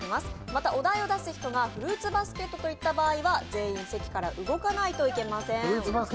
また、お題を出す人がフルーツバスケットと言った場合は、全員、席から動かないといけません